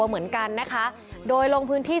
เหมือนกันนะคะโดยลงพื้นที่